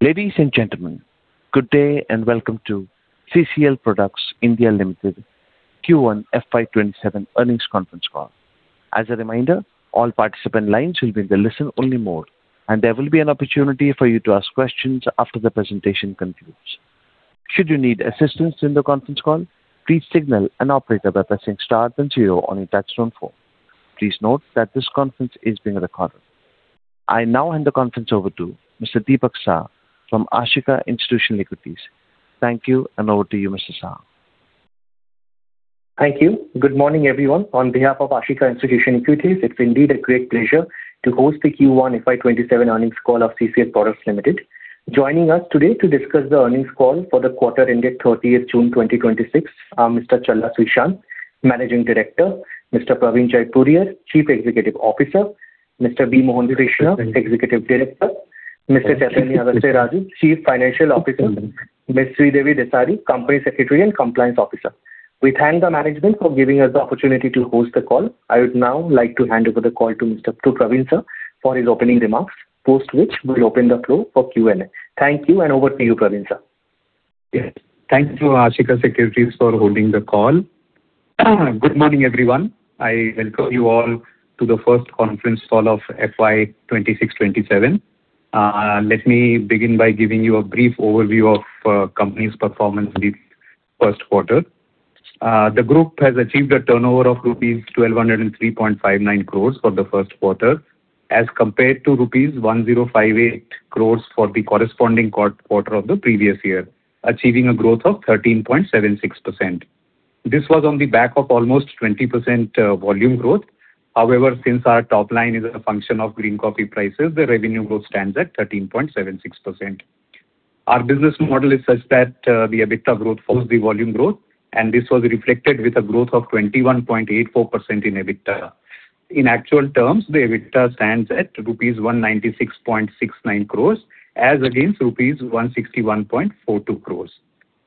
Ladies and gentlemen, good day and welcome to CCL Products Limited Q1 FY 2027 earnings conference call. As a reminder, all participant lines will be in the listen-only mode, and there will be an opportunity for you to ask questions after the presentation concludes. Should you need assistance in the conference call, please signal an operator by pressing star zero on your touch-tone phone. Please note that this conference is being recorded. I now hand the conference over to Mr. Dipak Saha from Ashika Institutional Equities. Thank you, and over to you, Mr. Saha. Thank you. Good morning, everyone. On behalf of Ashika Institutional Equities, it is indeed a great pleasure to host the Q1 FY 2027 earnings call of CCL Products Limited. Joining us today to discuss the earnings call for the quarter ending 30th June 2026 are Mr. Challa Srishant, managing director, Mr. Praveen Jaipuriar, chief executive officer, Mr. B. Mohan Krishna, executive director, Mr. Chaithanya Agasthyaraju, chief financial officer, Ms. Sridevi Dasari, company secretary and compliance officer. We thank the management for giving us the opportunity to host the call. I would now like to hand over the call to Praveen sir for his opening remarks, post which we will open the floor for Q and A. Thank you, and over to you, Praveen sir. Yes. Thank you, Ashika Securities, for holding the call. Good morning, everyone. I welcome you all to the first conference call of FY 2026/2027. Let me begin by giving you a brief overview of company's performance in the first quarter. The group has achieved a turnover of rupees 1,203.59 crores for the first quarter as compared to rupees 1,058 crores for the corresponding quarter of the previous year, achieving a growth of 13.76%. This was on the back of almost 20% volume growth. However, since our top line is a function of green coffee prices, the revenue growth stands at 13.76%. Our business model is such that the EBITDA growth follows the volume growth, and this was reflected with a growth of 21.84% in EBITDA. In actual terms, the EBITDA stands at rupees 196.69 crores as against rupees 161.42 crores.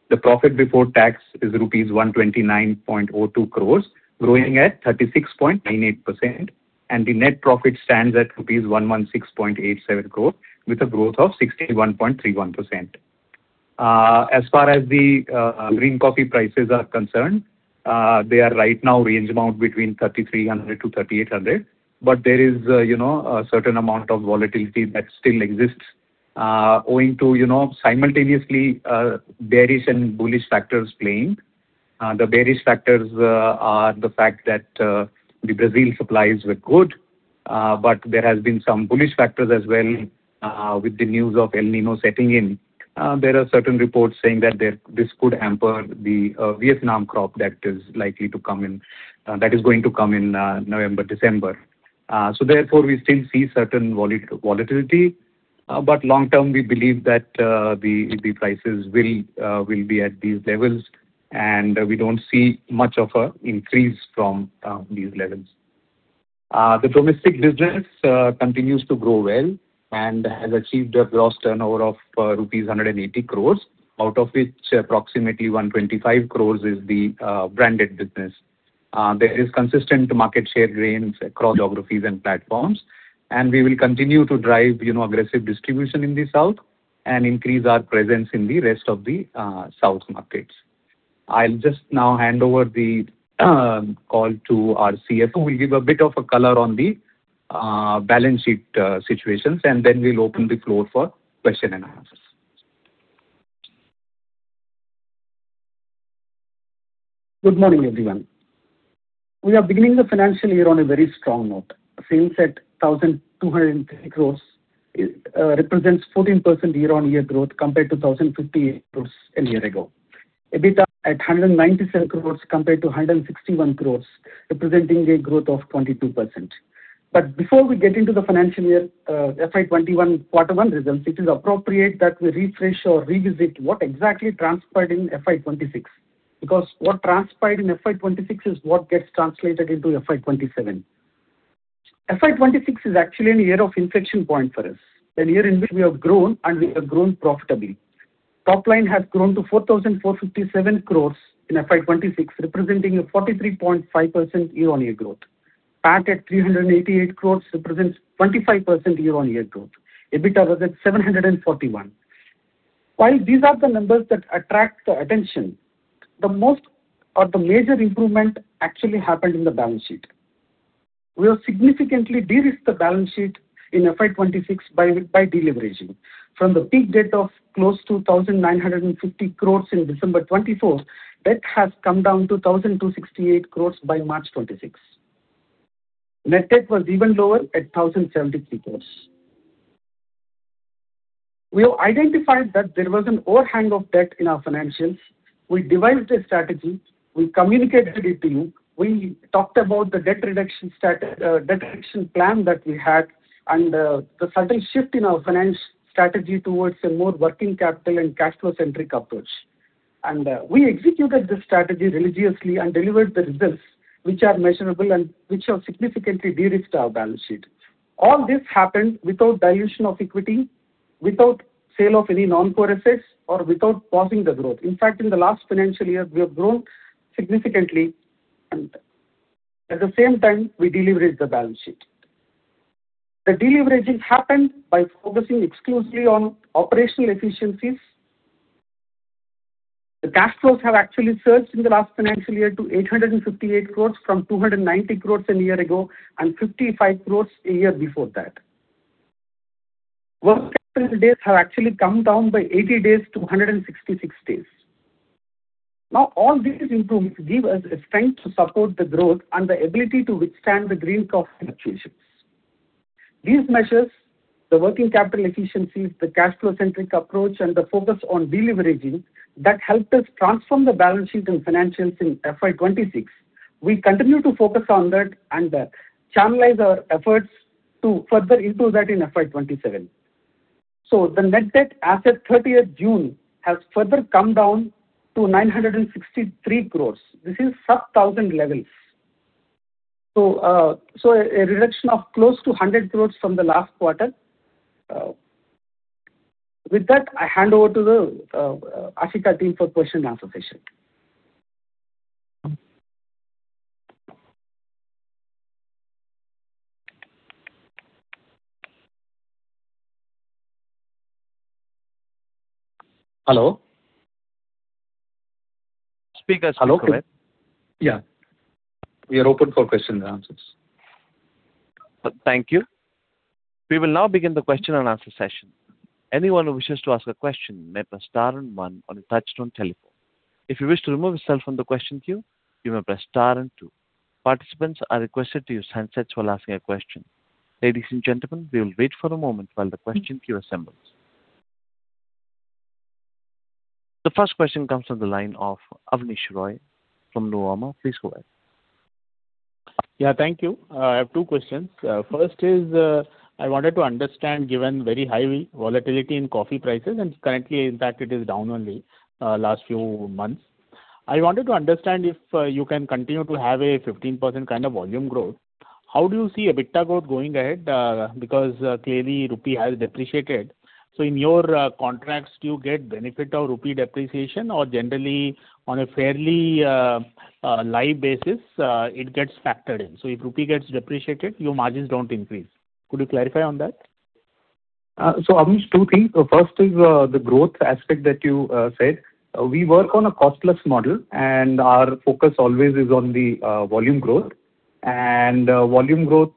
The profit before tax is rupees 129.02 crores, growing at 36.98%, and the net profit stands at rupees 116.87 crores with a growth of 61.31%. As far as the green coffee prices are concerned, they are right now range bound between 3,300-3,800. But there is a certain amount of volatility that still exists owing to simultaneously bearish and bullish factors playing. The bearish factors are the fact that the Brazil supplies were good. But there has been some bullish factors as well with the news of El Niño setting in. There are certain reports saying that this could hamper the Vietnam crop that is going to come in November, December. Therefore, we still see certain volatility. But long term, we believe that the prices will be at these levels, and we do not see much of an increase from these levels. The domestic business continues to grow well and has achieved a gross turnover of rupees 180 crores, out of which approximately 125 crores is the branded business. There is consistent market share gains across geographies and platforms. We will continue to drive aggressive distribution in the south and increase our presence in the rest of the south markets. I will just now hand over the call to our CFO, who will give a bit of a color on the balance sheet situations. Then we will open the floor for question-and-answers. Good morning, everyone. We are beginning the financial year on a very strong note. Sales at 1,203 crores represents 14% year-on-year growth compared to 1,058 crores a year ago. EBITDA at 197 crores compared to 161 crores, representing a growth of 22%. Before we get into the financial year FY 2027 quarter one results, it is appropriate that we refresh or revisit what exactly transpired in FY 2026. What transpired in FY 2026 is what gets translated into FY 2027. FY 2026 is actually an year of inflection point for us. An year in which we have grown, and we have grown profitably. Top line has grown to 4,457 crores in FY 2026, representing a 43.5% year-on-year growth. PAT at 388 crores represents 25% year-on-year growth. EBITDA was at 741. These are the numbers that attract the attention, the most or the major improvement actually happened in the balance sheet. We have significantly de-risked the balance sheet in FY 2026 by deleveraging. From the peak debt of close to 1,950 crores in December 2024, debt has come down to 1,268 crores by March 2026. Net debt was even lower at 1,073 crores. We have identified that there was an overhang of debt in our financials. We devised a strategy. We communicated it to you. We talked about the debt reduction plan that we had and the sudden shift in our finance strategy towards a more working capital and cash flow-centric approach. We executed this strategy religiously and delivered the results, which are measurable and which have significantly de-risked our balance sheet. All this happened without dilution of equity, without sale of any non-core assets, or without pausing the growth. In fact, in the last financial year, we have grown significantly At the same time, we deleveraged the balance sheet. The deleveraging happened by focusing exclusively on operational efficiencies. The cash flows have actually surged in the last financial year to 858 crores from 290 crores a year ago, and 55 crores a year before that. Working capital days have actually come down by 80 days to 166 days. All these improvements give us the strength to support the growth and the ability to withstand the green coffee fluctuations. These measures, the working capital efficiencies, the cash flow-centric approach, and the focus on deleveraging, that helped us transform the balance sheet and financials in FY 2026. We continue to focus on that and channelize our efforts to further improve that in FY 2027. The net debt as at 30th June has further come down to 963 crores. This is sub-thousand levels. A reduction of close to 100 crore from the last quarter. With that, I hand over to the Ashika team for question-and-answer session. Hello. Speakers. Hello. Go ahead. Yeah. We are open for question-and-answers. Thank you. We will now begin the question-and-answer session. Anyone who wishes to ask a question may press star and one on a touchtone telephone. If you wish to remove yourself from the question queue, you may press star and two. Participants are requested to use handsets while asking a question. Ladies and gentlemen, we will wait for a moment while the question queue assembles. The first question comes from the line of Avnish Roy from Nomura. Please go ahead. Yeah, thank you. I have two questions. First is, I wanted to understand, given very high volatility in coffee prices and currently in fact it is down only last few months. I wanted to understand if you can continue to have a 15% kind of volume growth. How do you see EBITDA growth going ahead? Clearly rupee has depreciated. In your contracts, do you get benefit of rupee depreciation or generally on a fairly live basis, it gets factored in? If rupee gets depreciated, your margins don't increase. Could you clarify on that? Avnish, two things. First is the growth aspect that you said. We work on a cost-plus model, our focus always is on the volume growth. Volume growth,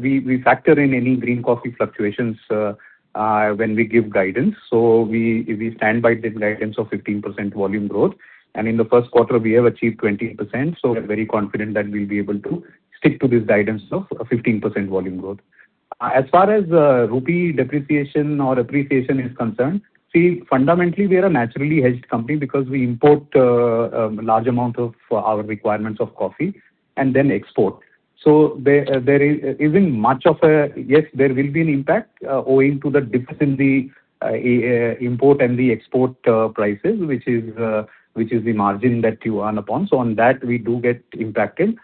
we factor in any green coffee fluctuations when we give guidance. We stand by the guidance of 15% volume growth. In the first quarter we have achieved 20%, we're very confident that we'll be able to stick to this guidance of 15% volume growth. As far as rupee depreciation or appreciation is concerned, see, fundamentally, we are a naturally hedged company because we import a large amount of our requirements of coffee and then export. There isn't much of a yes, there will be an impact, owing to the difference in the import and the export prices, which is the margin that you earn upon. On that, we do get impacted.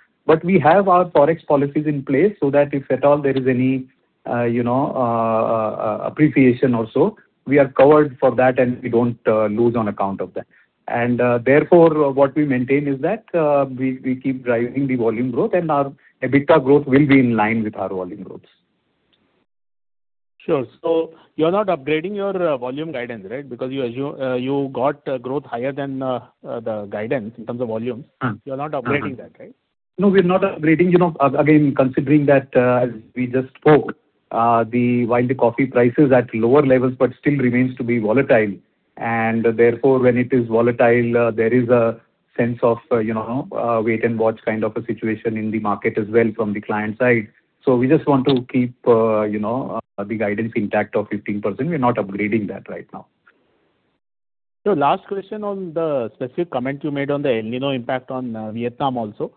We have our forex policies in place so that if at all there is any appreciation also, we are covered for that and we don't lose on account of that. Therefore, what we maintain is that, we keep driving the volume growth and our EBITDA growth will be in line with our volume growths. Sure. You're not upgrading your volume guidance, right? Because you got growth higher than the guidance in terms of volume. You're not upgrading that, right? No, we're not upgrading. Again, considering that as we just spoke, while the coffee price is at lower levels but still remains to be volatile. Therefore, when it is volatile, there is a sense of wait and watch kind of a situation in the market as well from the client side. We just want to keep the guidance intact of 15%. We're not upgrading that right now. Last question on the specific comment you made on the El Niño impact on Vietnam also.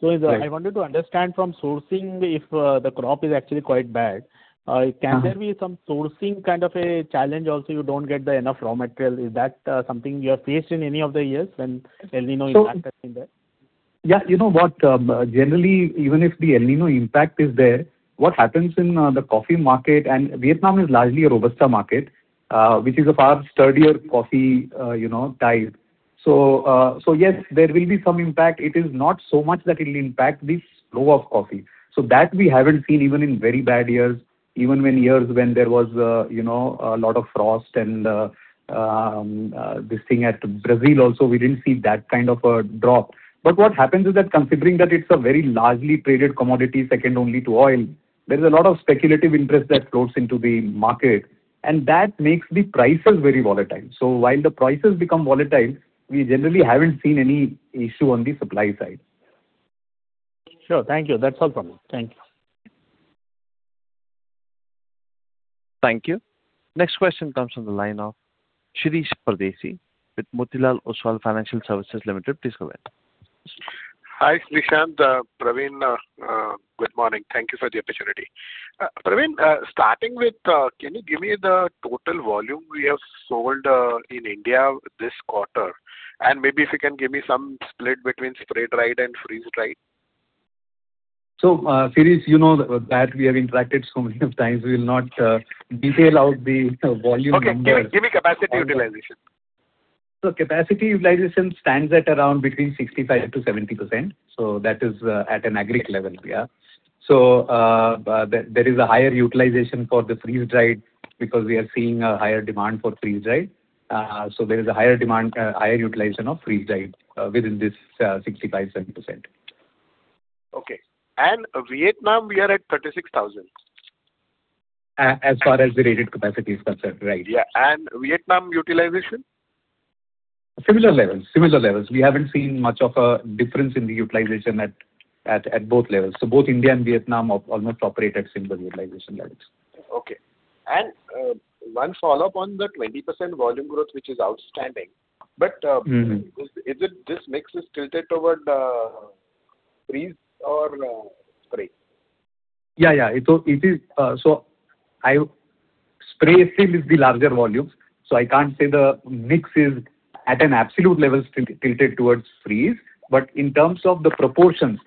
Right. I wanted to understand from sourcing, if the crop is actually quite bad? Can there be some sourcing kind of a challenge also, you don't get enough raw material? Is that something you have faced in any of the years when El Niño impact has been there? Yeah. You know what? Generally, even if the El Niño impact is there, what happens in the coffee market, and Vietnam is largely a Robusta market, which is a far sturdier coffee type. Yes, there will be some impact. It is not so much that it'll impact the flow of coffee. That we haven't seen even in very bad years, even when years when there was a lot of frost and this thing at Brazil also, we didn't see that kind of a drop. What happens is that considering that it's a very largely traded commodity, second only to oil, there's a lot of speculative interest that flows into the market, and that makes the prices very volatile. While the prices become volatile, we generally haven't seen any issue on the supply side. Sure. Thank you. That's all from me. Thank you. Thank you. Next question comes from the line of Shirish Pardeshi with Motilal Oswal Financial Services Limited. Please go ahead. Hi, Srishant, Praveen. Good morning. Thank you for the opportunity. Praveen, starting with, can you give me the total volume you have sold in India this quarter? Maybe if you can give me some split between spray-dried and freeze-dried. Shirish, you know that we have interacted so many times, we will not detail out the volume numbers. Okay. Give me capacity utilization. Capacity utilization stands at around between 65%-70%. That is at an aggregate level. There is a higher utilization for the freeze-dried because we are seeing a higher demand for freeze-dried. There is a higher utilization of freeze-dried within this 65%-70%. Okay. Vietnam, we are at 36,000. As far as the rated capacity is concerned. Right. Yeah. Vietnam utilization? Similar levels. We haven't seen much of a difference in the utilization at both levels. Both India and Vietnam are almost operated similar utilization levels. Okay. One follow-up on the 20% volume growth, which is outstanding. This mix is tilted toward freeze or spray? Yeah. Spray still is the larger volumes, I can't say the mix is at an absolute level tilted towards freeze. In terms of the proportions,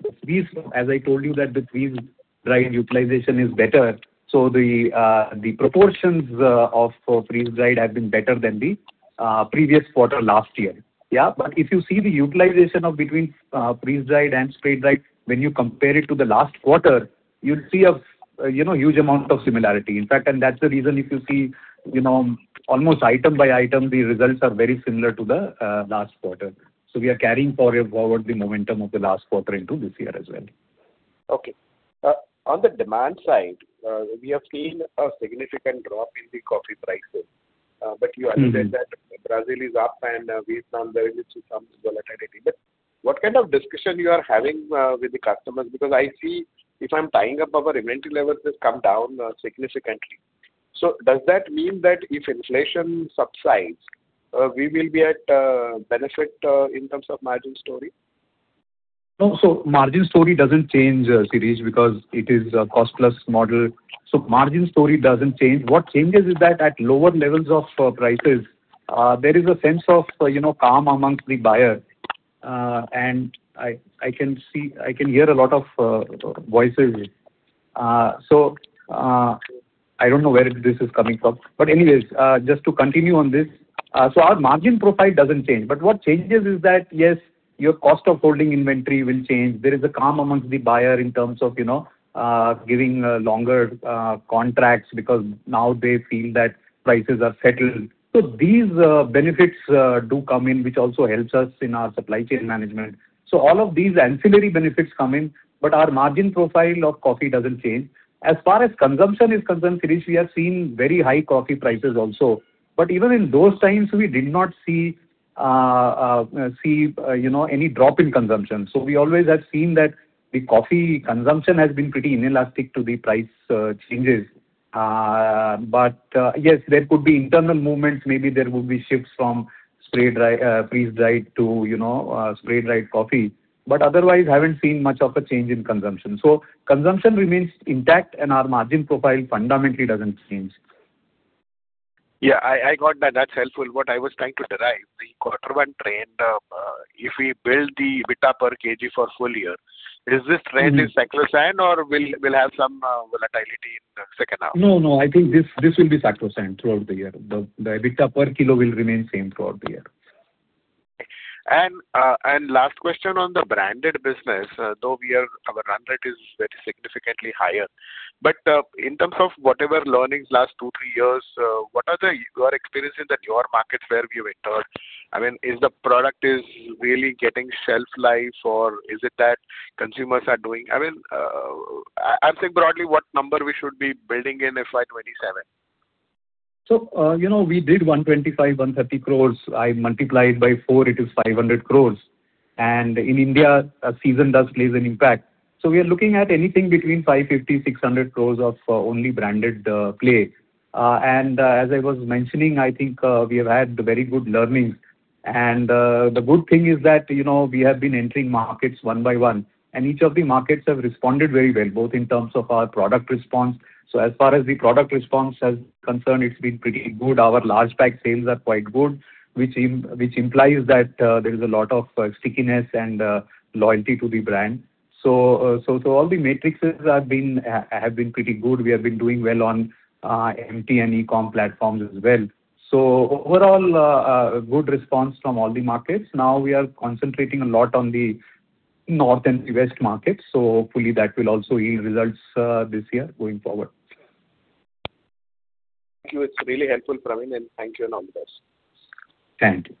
as I told you that the freeze-dried utilization is better, the proportions of freeze-dried have been better than the previous quarter last year. Yeah. If you see the utilization of between freeze-dried and spray-dried, when you compare it to the last quarter, you'll see a huge amount of similarity, in fact. That's the reason if you see, almost item by item, the results are very similar to the last quarter. We are carrying forward the momentum of the last quarter into this year as well. Okay. On the demand side, we have seen a significant drop in the coffee prices. You understand that Brazil is up and Vietnam there is some volatility. What kind of discussion you are having with the customers? Because I see if I'm tying up our inventory levels has come down significantly. Does that mean that if inflation subsides, we will be at benefit in terms of margin story? No. Margin story doesn't change, Shirish, because it is a cost-plus model. Margin story doesn't change. What changes is that at lower levels of prices, there is a sense of calm amongst the buyer. I can hear a lot of voices. I don't know where this is coming from. Anyways, just to continue on this, our margin profile doesn't change. What changes is that, yes, your cost of holding inventory will change. There is a calm amongst the buyer in terms of giving longer contracts because now they feel that prices are settled. These benefits do come in, which also helps us in our supply chain management. All of these ancillary benefits come in, but our margin profile of coffee doesn't change. As far as consumption is concerned, Shirish, we have seen very high coffee prices also. Even in those times, we did not see any drop in consumption. We always have seen that the coffee consumption has been pretty inelastic to the price changes. Yes, there could be internal movements. Maybe there would be shifts from freeze-dried to spray-dried coffee, but otherwise, haven't seen much of a change in consumption. Consumption remains intact and our margin profile fundamentally doesn't change. Yeah, I got that. That's helpful. What I was trying to derive the quarter one trend, if we build the EBITDA per kg for full year, is this trend cyclical or we'll have some volatility in the second half? No, I think this will be cyclical throughout the year. The EBITDA per kilo will remain same throughout the year. Last question on the branded business. Though our run rate is very significantly higher, but in terms of whatever learnings last two, three years, what are your experiences that your markets where you entered? Is the product is really getting shelf life or is it that consumers are doing, I'm saying broadly what number we should be building in FY 2027. We did 125, 130 crores. I multiply it by four, it is 500 crores. In India, season does plays an impact. We are looking at anything between 550-600 crores of only branded play. As I was mentioning, I think we have had very good learnings. The good thing is that we have been entering markets one by one, and each of the markets have responded very well, both in terms of our product response. As far as the product response has concerned, it's been pretty good. Our large pack sales are quite good, which implies that there is a lot of stickiness and loyalty to the brand. All the matrixes have been pretty good. We have been doing well on MT and e-com platforms as well. Overall, a good response from all the markets. Now we are concentrating a lot on the North and the West markets, hopefully that will also yield results this year going forward. Thank you. It's really helpful, Praveen, thank you and all the best. Thank you.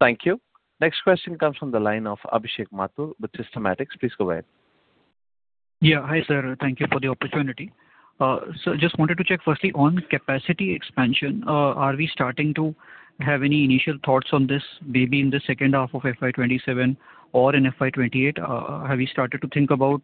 Thank you. Next question comes from the line of Abhishek Mathur with Systematix. Please go ahead. Yeah. Hi, sir. Thank you for the opportunity. Sir, just wanted to check firstly on capacity expansion. Are we starting to have any initial thoughts on this, maybe in the second half of FY 2027 or in FY 2028? Have we started to think about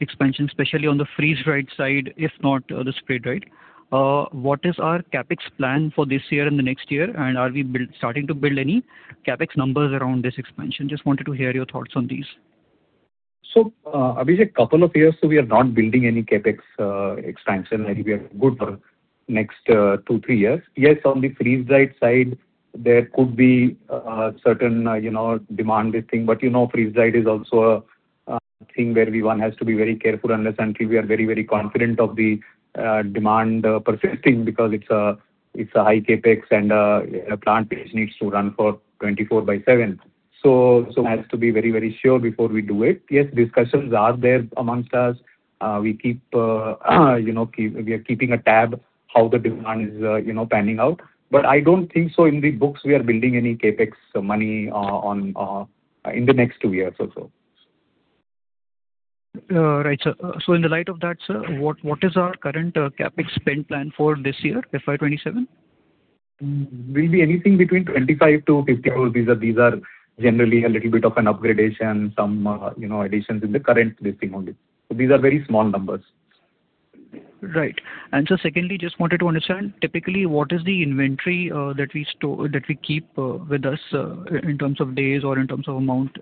expansion, especially on the freeze-dried side, if not the spray-dried? What is our CapEx plan for this year and the next year, and are we starting to build any CapEx numbers around this expansion? Just wanted to hear your thoughts on these. Abhishek, couple of years, we are not building any CapEx expansion. I think we are good for next two, three years. Yes, on the freeze-dried side, there could be certain demand, this thing. But freeze-dried is also a thing where everyone has to be very careful unless until we are very confident of the demand persisting because it's a high CapEx and a plant which needs to run for 24/7. Has to be very sure before we do it. Yes, discussions are there amongst us. We are keeping a tab how the demand is panning out. I don't think so in the books we are building any CapEx money in the next two years or so. Right, sir. In the light of that, sir, what is our current CapEx spend plan for this year, FY 2027? Will be anything between 25 crore-50 crore rupees. These are generally a little bit of an upgradation, some additions in the current listing only. These are very small numbers. Right. Secondly, just wanted to understand, typically what is the inventory that we keep with us in terms of days or in terms of amount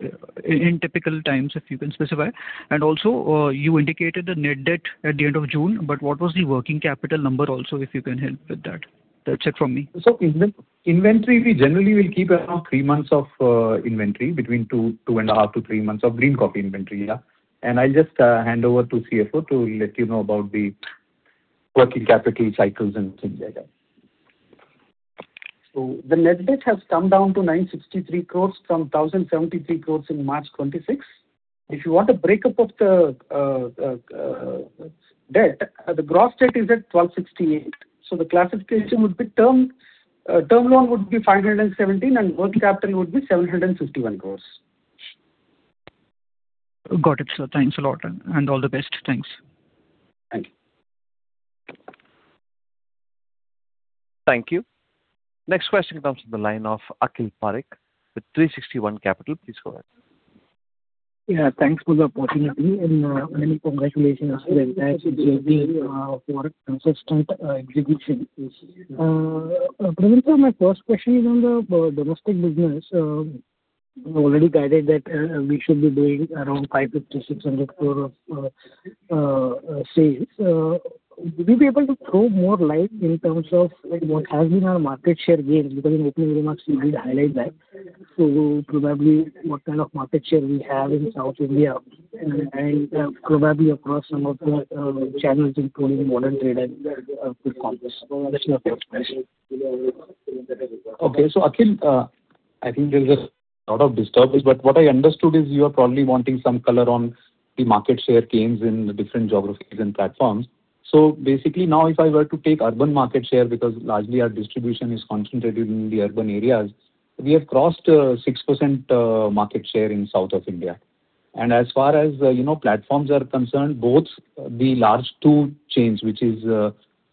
in typical times, if you can specify? You indicated the net debt at the end of June, but what was the working capital number also, if you can help with that? That's it from me. Inventory, we generally will keep around three months of inventory, between two and a half to three months of green coffee inventory. I'll just hand over to CFO to let you know about the working capital cycles and things like that. The net debt has come down to 963 crore from 1,073 crore in March 2026. If you want a breakup of the debt, the gross debt is at 1,268. The classification would be term loan would be 517 and working capital would be 761 crore. Got it, sir. Thanks a lot and all the best. Thanks. Thank you. Thank you. Next question comes from the line of Akhil Parekh with 360 ONE Capital. Please go ahead. Yeah, thanks for the opportunity and many congratulations to the entire team for consistent execution. Praveen sir, my first question is on the domestic business. You already guided that we should be doing around 550 crore-600 crore of sales. Will you be able to throw more light in terms of what has been our market share gains? In opening remarks you did highlight that. Probably what kind of market share we have in South India and probably across some of the channels, including modern trade and quick commerce. That's my first question. Akhil, I think there's a lot of disturbance, but what I understood is you are probably wanting some color on the market share gains in the different geographies and platforms. Basically now if I were to take urban market share, because largely our distribution is concentrated in the urban areas, we have crossed 6% market share in South of India. As far as platforms are concerned, both the large two chains, which is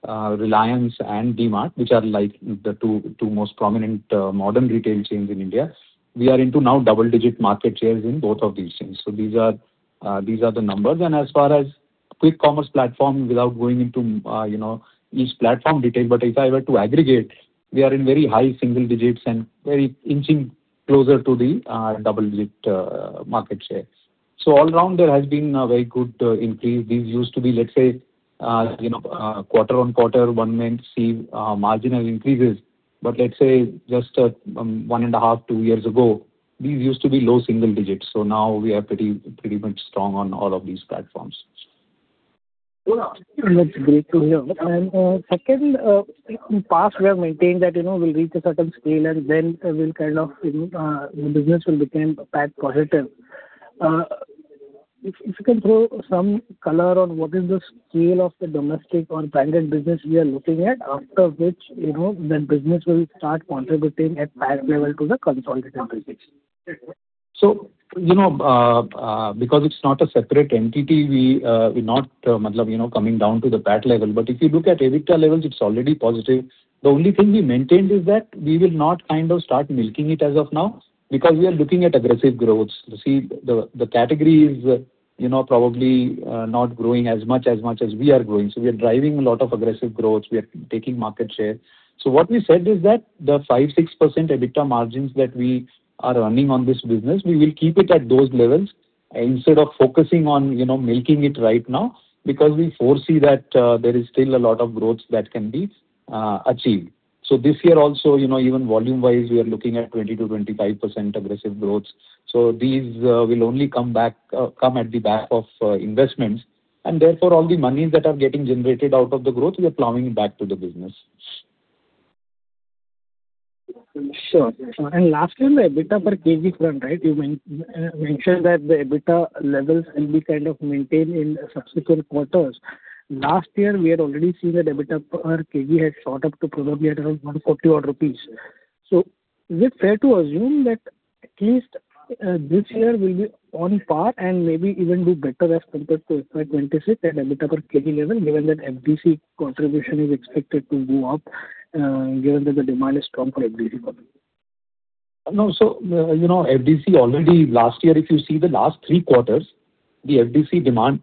Reliance and DMart, which are like the two most prominent modern retail chains in India, we are into now double-digit market shares in both of these chains. These are the numbers. As far as quick commerce platform, without going into each platform detail, but if I were to aggregate, we are in very high single digits and inching closer to the double-digit market share. All around there has been a very good increase. These used to be, let's say, quarter-on-quarter, one may see marginal increases. Let's say just one and a half, two years ago, these used to be low single digits. Now we are pretty much strong on all of these platforms. That's great to hear. Second, in past we have maintained that we'll reach a certain scale and then the business will become PAT positive. If you can throw some color on what is the scale of the domestic or branded business we are looking at, after which the business will start contributing at PAT level to the consolidated business. Because it's not a separate entity, we're not coming down to the PAT level. If you look at EBITDA levels, it's already positive. The only thing we maintained is that we will not kind of start milking it as of now because we are looking at aggressive growths. See, the category is probably not growing as much as we are growing. We are driving a lot of aggressive growth. We are taking market share. What we said is that the 5%-6% EBITDA margins that we are earning on this business, we will keep it at those levels instead of focusing on milking it right now, because we foresee that there is still a lot of growth that can be achieved. This year also, even volume wise, we are looking at 20%-25% aggressive growth. These will only come at the back of investments and therefore all the monies that are getting generated out of the growth, we are plowing back to the business. Sure. last year in the EBITDA per kg front, right? You mentioned that the EBITDA levels will be kind of maintained in subsequent quarters. Last year, we had already seen that EBITDA per kg had shot up to probably at around 140 rupees. Is it fair to assume that at least this year we'll be on par and maybe even do better as compared to FY 2026 and EBITDA per kg level, given that FD contribution is expected to go up, given that the demand is strong for FD products? No. FD already last year, if you see the last three quarters, the FD demand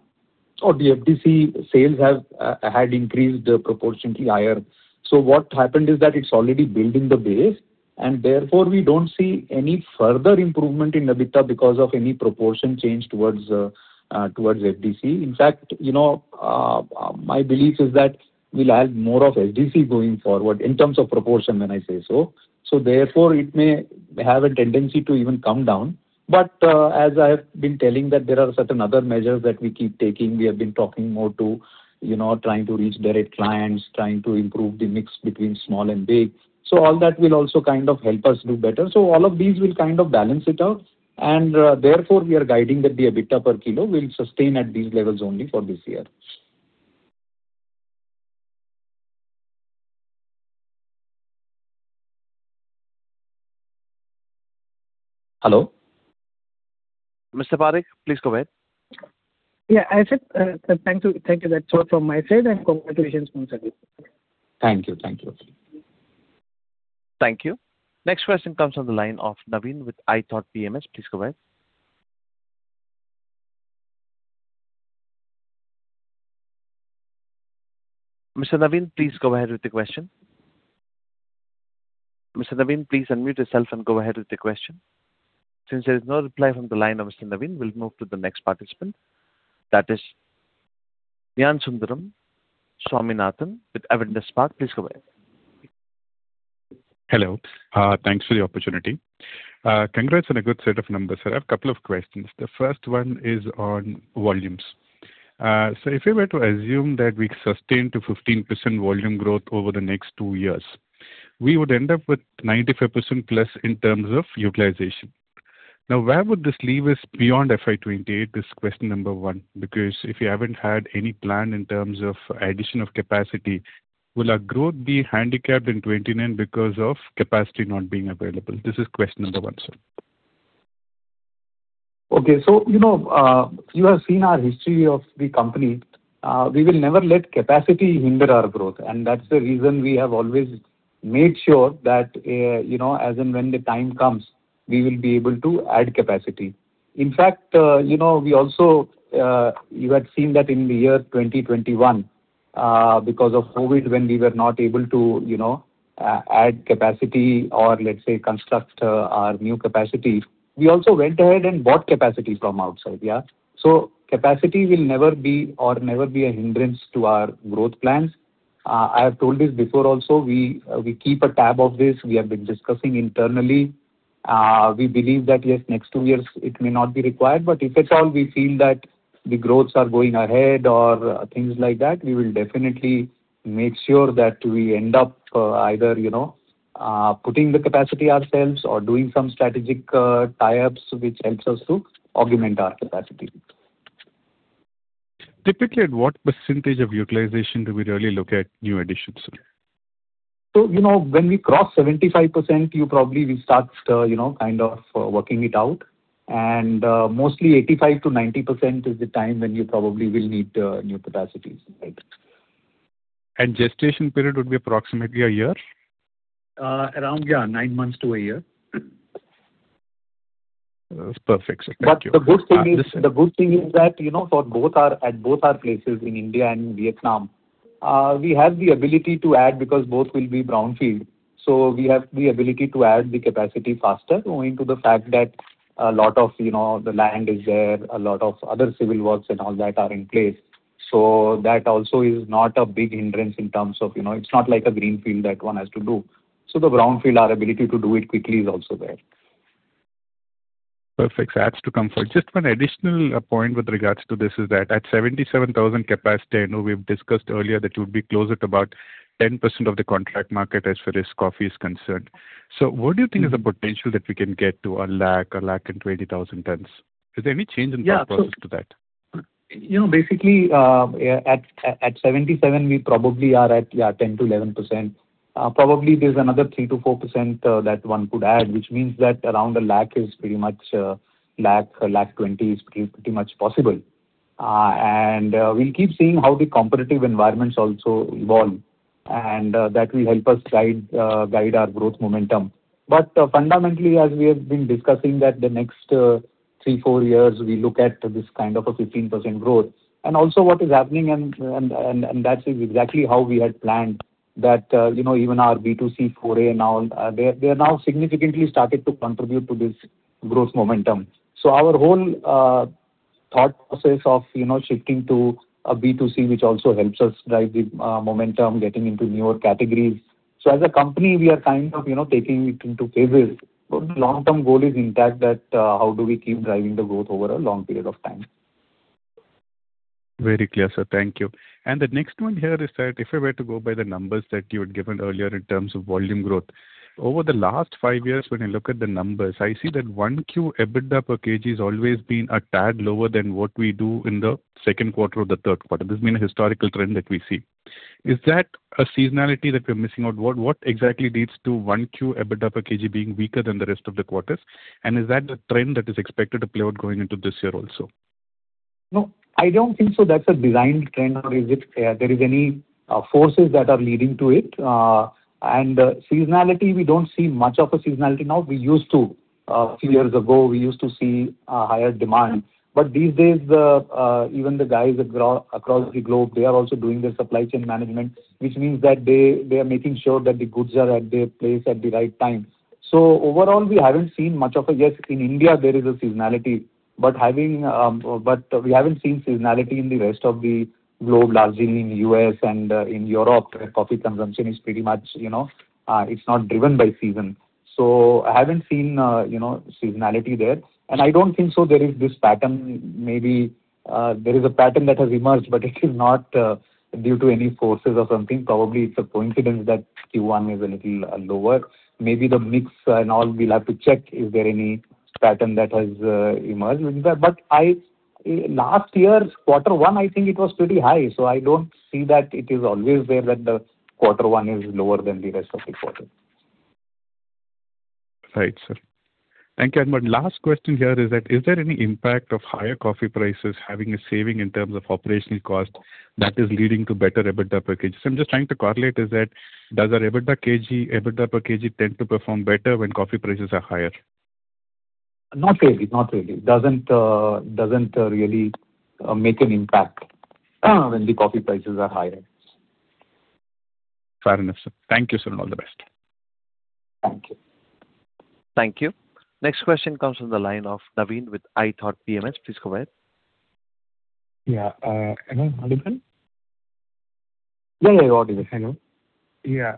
or the FD sales had increased proportionately higher. What happened is that it's already building the base, and therefore we don't see any further improvement in EBITDA because of any proportion change towards FD. In fact, my belief is that we'll add more of FD going forward in terms of proportion when I say so. Therefore, it may have a tendency to even come down. As I've been telling that there are certain other measures that we keep taking. We have been talking more to trying to reach direct clients, trying to improve the mix between small and big. All that will also kind of help us do better. All of these will kind of balance it out, and therefore, we are guiding that the EBITDA per kilo will sustain at these levels only for this year. Hello. Mr. Parekh, please go ahead. Yeah, I said thank you. That's all from my side and congratulations once again. Thank you. Thank you. Next question comes on the line of Naveen with ithought PMS. Please go ahead. Mr. Naveen, please go ahead with the question. Mr. Naveen, please unmute yourself and go ahead with the question. Since there's no reply from the line of Mr. Naveen, we'll move to the next participant. That is Nisarg Swaminathan with Spark Capital. Please go ahead. Hello. Thanks for the opportunity. Congrats on a good set of numbers, sir. I have a couple of questions. The first one is on volumes. If we were to assume that we sustain to 15% volume growth over the next two years, we would end up with 95% plus in terms of utilization. Now, where would this leave us beyond FY 2028? This is question number one, because if you haven't had any plan in terms of addition of capacity, will our growth be handicapped in 2029 because of capacity not being available? This is question number one, sir. Okay. You have seen our history of the company. We will never let capacity hinder our growth, and that's the reason we have always made sure that, as and when the time comes, we will be able to add capacity. In fact, you had seen that in the year 2021, because of COVID, when we were not able to add capacity or let's say, construct our new capacity, we also went ahead and bought capacity from outside, yeah. Capacity will never be, or never be a hindrance to our growth plans. I have told this before also, we keep a tab of this. We have been discussing internally. We believe that, yes, next two years it may not be required, but if at all we feel that the growths are going ahead or things like that, we will definitely make sure that we end up either putting the capacity ourselves or doing some strategic tie-ups, which helps us to augment our capacity. Typically, at what percentage of utilization do we really look at new additions? When we cross 75%, probably we start kind of working it out, and mostly 85%-90% is the time when you probably will need new capacities. Right. Gestation period would be approximately a year? Around, yeah, nine months to a year. That's perfect, sir. Thank you. The good thing is that at both our places in India and Vietnam, we have the ability to add because both will be brownfield. We have the ability to add the capacity faster owing to the fact that a lot of the land is there, a lot of other civil works and all that are in place. That also is not a big hindrance in terms of, it's not like a greenfield that one has to do. The brownfield, our ability to do it quickly is also there. Perfect. That's to confirm. Just one additional point with regards to this is that at 77,000 tons capacity, I know we've discussed earlier that you would be close at about 10% of the contract market as far as coffee is concerned. What do you think is the potential that we can get to 100,000 tons, 120,000 tons? Is there any change in proposals to that? Basically, at 77,000 tons, we probably are at 10%-11%. Probably there's another 3%-4% that one could add, which means that around 100,000 tons is pretty much, 100,000 tons, 120,000 tons is pretty much possible. We'll keep seeing how the competitive environments also evolve, and that will help us guide our growth momentum. Fundamentally, as we have been discussing, that the next three, four years, we look at this kind of a 15% growth. Also what is happening, and that is exactly how we had planned that even our B2C foray now, they are now significantly starting to contribute to this growth momentum. Our whole thought process of shifting to a B2C, which also helps us drive the momentum, getting into newer categories. As a company, we kind of taking it into phases. The long-term goal is intact that how do we keep driving the growth over a long period of time. Very clear, sir. Thank you. The next one here is that if I were to go by the numbers that you had given earlier in terms of volume growth. Over the last five years, when I look at the numbers, I see that Q1 EBITDA per kg has always been a tad lower than what we do in the second quarter or the third quarter. This has been a historical trend that we see. Is that a seasonality that we're missing out? What exactly leads to Q1 EBITDA per kg being weaker than the rest of the quarters? Is that a trend that is expected to play out going into this year also? No, I don't think so that's a designed trend or there is any forces that are leading to it. Seasonality, we don't see much of a seasonality now. We used to. A few years ago, we used to see a higher demand. These days, even the guys across the globe, they are also doing their supply chain management, which means that they are making sure that the goods are at their place at the right times. Overall, we haven't seen much of a yes, in India there is a seasonality, but we haven't seen seasonality in the rest of the globe, largely in U.S. and in Europe, where coffee consumption is pretty much, it's not driven by season. I haven't seen seasonality there, and I don't think so there is this pattern, maybe there is a pattern that has emerged, but it is not due to any forces or something. Probably it's a coincidence that Q1 is a little lower. Maybe the mix and all, we'll have to check is there any pattern that has emerged with that. Last year's quarter one, I think it was pretty high, I don't see that it is always there that the quarter one is lower than the rest of the quarters. Right, sir. Thank you. My last question here is that, is there any impact of higher coffee prices having a saving in terms of operational cost that is leading to better EBITDA per kg? I'm just trying to correlate, is that does our EBITDA per kg tend to perform better when coffee prices are higher? Not really. It doesn't really make an impact when the coffee prices are higher. Fair enough, sir. Thank you, Praveen. All the best. Thank you. Thank you. Next question comes from the line of Naveen with ithought PMS. Please go ahead. Yeah. Hello. Am I audible? No, your are audible. Yeah.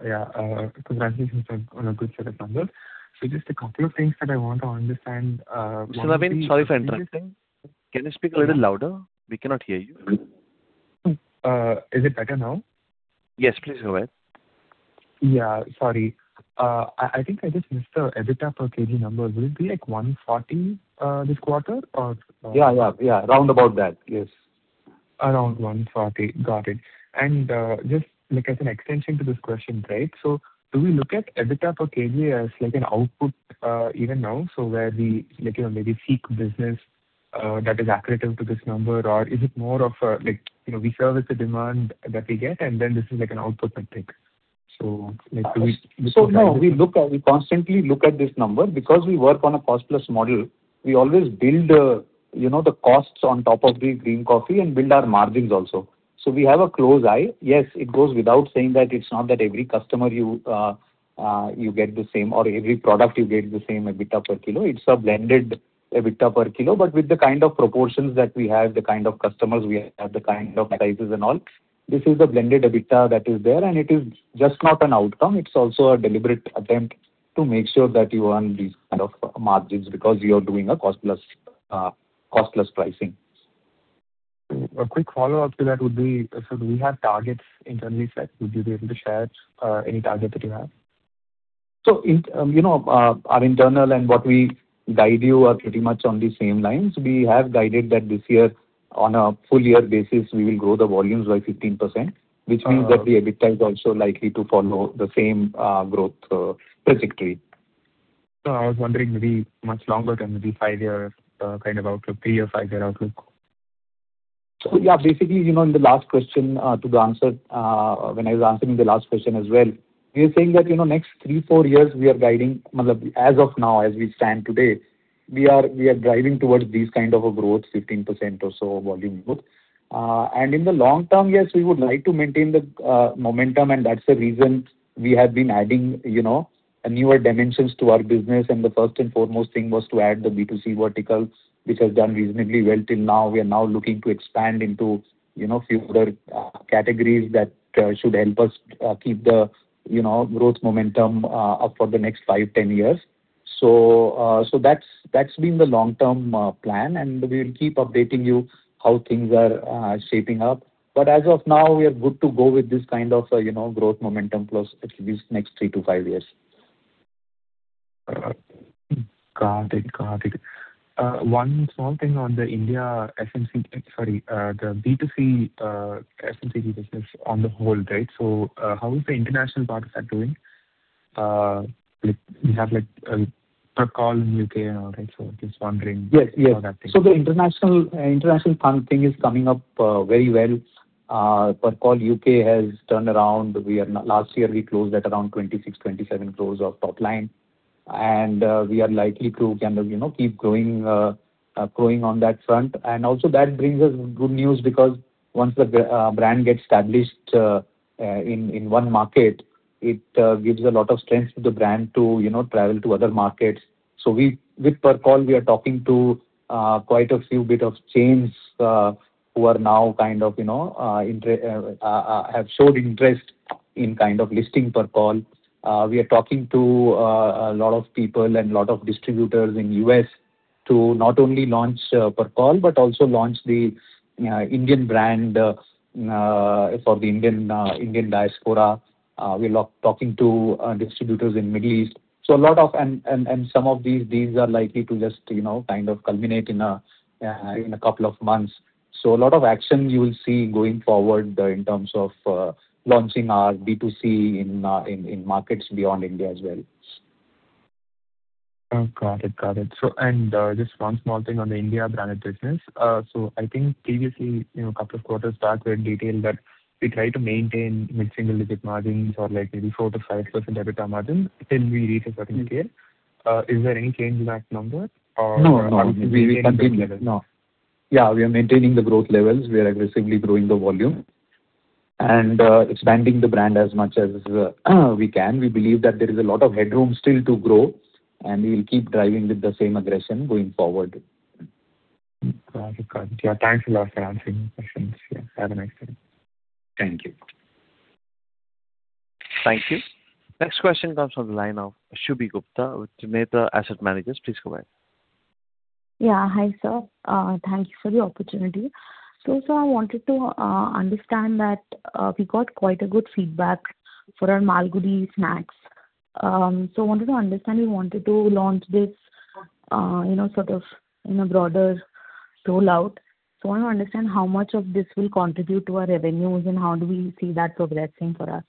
Congratulations on a good set of numbers. Just a couple of things that I want to understand. Sorry for interrupting. Can you speak a little louder? We cannot hear you. Is it better now? Yes. Please go ahead. Yeah. Sorry. I think I just missed the EBITDA per kg number. Will it be like 140 this quarter or no? Yeah. Round about that. Yes. Around 140. Got it. Just like as an extension to this question, right? Do we look at EBITDA per kg as an output even now? Where we maybe seek business that is accretive to this number? Or is it more of we service the demand that we get and then this is an output metric. No, we constantly look at this number because we work on a cost-plus model. We always build the costs on top of the green coffee and build our margins also. We have a close eye. Yes, it goes without saying that it's not that every customer you get the same or every product you get the same EBITDA per kg. It's a blended EBITDA per kg, but with the kind of proportions that we have, the kind of customers we have, the kind of sizes and all, this is the blended EBITDA that is there, and it's just not an outcome, it's also a deliberate attempt to make sure that you earn these kind of margins because you are doing a cost-plus pricing. A quick follow-up to that would be, do we have targets internally set? Would you be able to share any target that you have? Our internal and what we guide you are pretty much on the same lines. We have guided that this year on a full year basis, we will grow the volumes by 15%, which means that the EBITDA is also likely to follow the same growth trajectory. I was wondering maybe much longer than maybe five-year kind of outlook, three or five-year outlook. Basically, in the last question to the answer, when I was answering the last question as well, we were saying that next three, four years, we are guiding, as of now, as we stand today, we are driving towards these kind of a growth, 15% or so volume growth. In the long term, yes, we would like to maintain the momentum, and that's the reason we have been adding newer dimensions to our business, and the first and foremost thing was to add the B2C verticals, which has done reasonably well till now. We are now looking to expand into further categories that should help us keep the growth momentum up for the next five, 10 years. That's been the long-term plan, and we'll keep updating you how things are shaping up. As of now, we are good to go with this kind of growth momentum plus at least next three to five years. Got it. One small thing on the India FMCG, sorry, the B2C FMCG business on the whole, right? How is the international part of that doing? You have Percol in U.K. and all that, just wondering? Yes About that thing. The international front thing is coming up very well. Percol U.K. has turned around. Last year we closed at around 26 crore-27 crore of top line, and we are likely to kind of keep growing on that front. That brings us good news because once the brand gets established in one market, it gives a lot of strength to the brand to travel to other markets. With Percol, we are talking to quite a few bit of chains who have showed interest in kind of listing Percol. We are talking to a lot of people and a lot of distributors in U.S. to not only launch Percol but also launch the Indian brand for the Indian diaspora. We are talking to distributors in Middle East. Some of these deals are likely to just kind of culminate in a couple of months. A lot of action you will see going forward in terms of launching our B2C in markets beyond India as well. Oh, got it. Just one small thing on the India branded business. I think previously, a couple of quarters back, you had detailed that we try to maintain mid-single digit margins or like maybe 4% to 5% EBITDA margins till we reach a certain scale. Is there any change in that number or- No. We will continue. No. Yeah, we are maintaining the growth levels. We are aggressively growing the volume expanding the brand as much as we can. We believe that there is a lot of headroom still to grow, and we'll keep driving with the same aggression going forward. Fantastic. Thanks a lot for answering the questions. Have a nice day. Thank you. Thank you. Next question comes from the line of Shubhi Gupta with Trinetra Asset Managers. Please go ahead. Hi, sir. Thanks for the opportunity. Sir, I wanted to understand that we got quite good feedback for our Malgudi snacks. I wanted to understand, we wanted to launch this sort of broader rollout. I want to understand how much of this will contribute to our revenues and how do we see that progressing for us?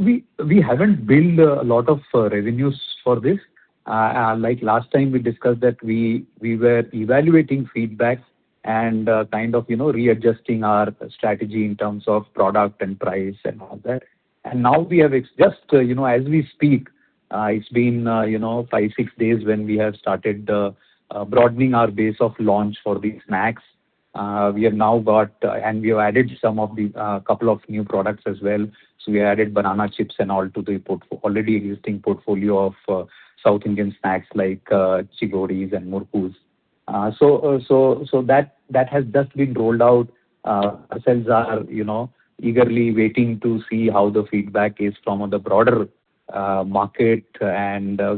We haven't billed a lot of revenues for this. Last time we discussed that we were evaluating feedback and kind of readjusting our strategy in terms of product and price and all that. Now just as we speak, it has been five, six days when we have started broadening our base of launch for these snacks. We have added couple of new products as well. We added banana chips and all to the already existing portfolio of South Indian snacks like Chakodi and Murukku. That has just been rolled out. Sales are eagerly waiting to see how the feedback is from the broader market. We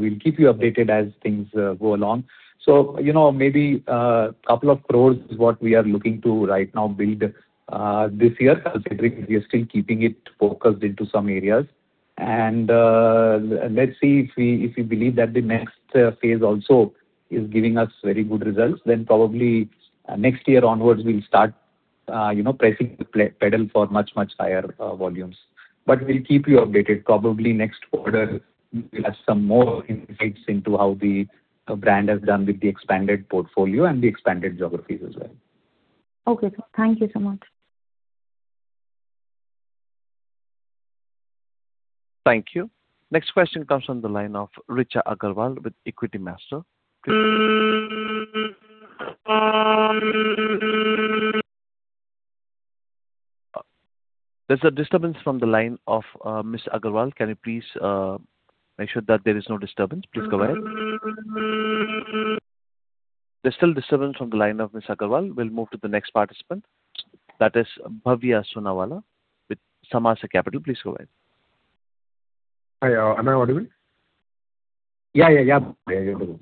will keep you updated as things go along. Maybe crore a couple of crores is what we are looking to right now build this year, considering we are still keeping it focused into some areas. Let's see if we believe that the next phase also is giving us very good results, then probably next year onwards we will start pressing the pedal for much, much higher volumes. We will keep you updated. Probably next quarter we will have some more insights into how the brand has done with the expanded portfolio and the expanded geographies as well. Okay, sir. Thank you so much. Thank you. Next question comes from the line of Richa Agarwal with Equitymaster. There is a disturbance from the line of Ms. Agarwal. Can you please make sure that there is no disturbance? Please go ahead. There is still disturbance from the line of Ms. Agarwal. We will move to the next participant. That is Bhavya Sonawala with Samaasa Capital. Please go ahead. Hi. Am I audible? Yeah. You are audible.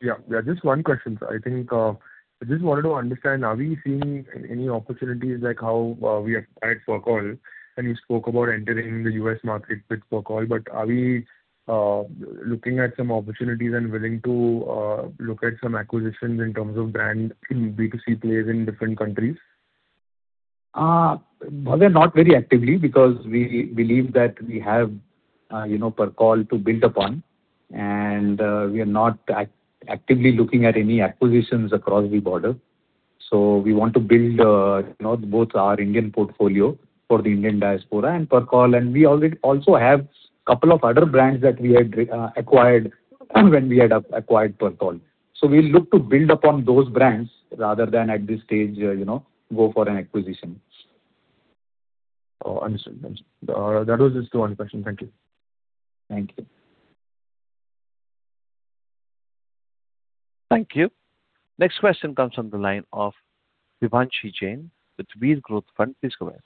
Yeah. Just one question, sir. I just wanted to understand, are we seeing any opportunities like how we acquired Percol, and you spoke about entering the U.S. market with Percol. Are we looking at some opportunities and willing to look at some acquisitions in terms of brand in B2C players in different countries? Bhavya, not very actively because we believe that we have Percol to build upon. We are not actively looking at any acquisitions across the border. We want to build both our Indian portfolio for the Indian diaspora and Percol, and we also have couple of other brands that we had acquired when we had acquired Percol. We'll look to build upon those brands rather than at this stage go for an acquisition. Understood. That was just the one question. Thank you. Thank you. Thank you. Next question comes from the line of Divyanshi Jain with Bir Growth Fund. Please go ahead.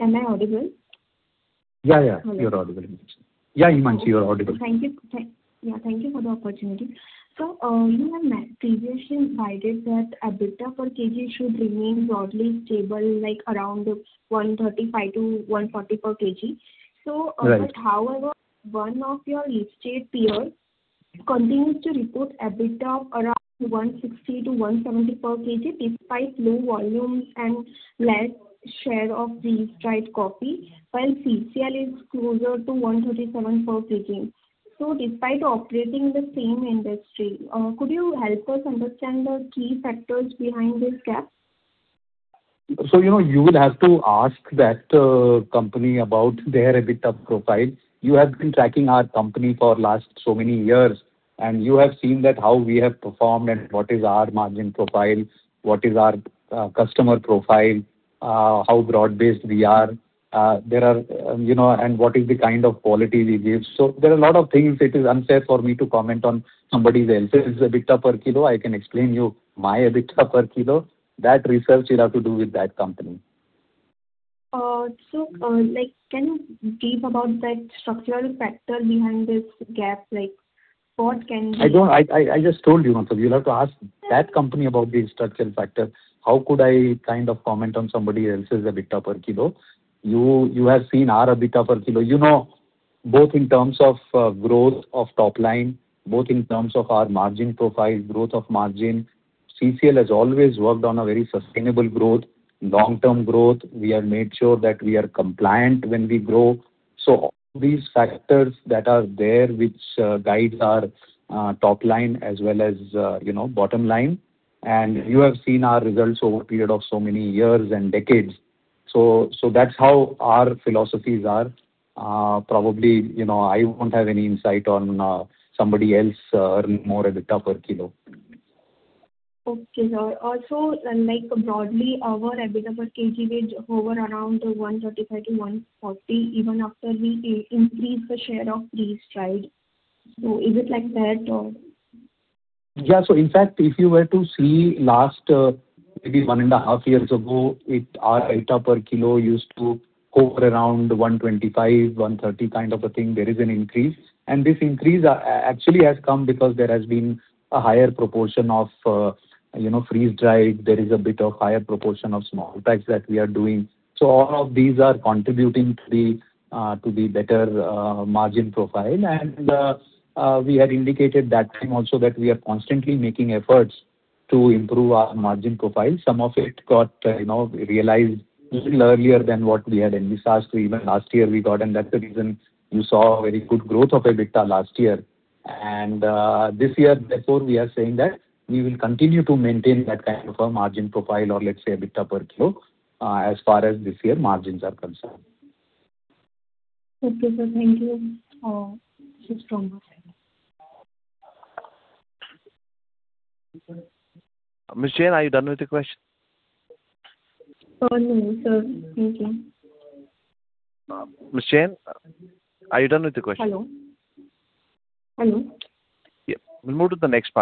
Am I audible? You're audible. Divyanshi, you're audible. Thank you for the opportunity. You have previously advised us that EBITDA per kg should remain broadly stable, like around 135 to 140 per kg. Right. However, one of your listed peers continues to report EBITDA of around 160 to 170 per kg despite low volumes and less share of the freeze-dried coffee, while CCL is closer to 137 per kg. Despite operating in the same industry, could you help us understand the key factors behind this gap? You would have to ask that company about their EBITDA profile. You have been tracking our company for last so many years, and you have seen that how we have performed and what is our margin profile, what is our customer profile, how broad-based we are, and what is the kind of quality we give. There are a lot of things. It is unfair for me to comment on somebody else's EBITDA per kilo. I can explain you my EBITDA per kilo. That research you'll have to do with that company. Can you give about that structural factor behind this gap? I just told you'll have to ask that company about the structural factor. How could I kind of comment on somebody else's EBITDA per kilo? You have seen our EBITDA per kilo. You know both in terms of growth of top line, both in terms of our margin profile, growth of margin. CCL has always worked on a very sustainable growth, long-term growth. We have made sure that we are compliant when we grow. All these factors that are there, which guides our top line as well as bottom line. You have seen our results over a period of so many years and decades. That's how our philosophies are. Probably, I won't have any insight on somebody else earning more EBITDA per kilo. Okay, sir. Also, broadly, our EBITDA per kg will hover around 135-140 even after we increase the share of freeze-dried. Is it like that? In fact, if you were to see last maybe one and a half years ago, our EBITDA per kilo used to hover around 125, 130 kind of a thing. There is an increase. This increase actually has come because there has been a higher proportion of freeze-dried. There is a bit of higher proportion of small packs that we are doing. All of these are contributing to the better margin profile. We had indicated that time also that we are constantly making efforts to improve our margin profile. Some of it got realized a little earlier than what we had envisaged. Even last year we got, and that's the reason you saw a very good growth of EBITDA last year. This year, therefore, we are saying that we will continue to maintain that kind of a margin profile or let's say EBITDA per kilo, as far as this year margins are concerned. Okay, sir. Thank you. Ms. Jain, are you done with your question? No, sir. Thank you. Ms. Jain, are you done with your question? Hello? Hello? We'll move to the next